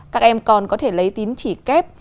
các em còn có thể lấy tín chỉ kép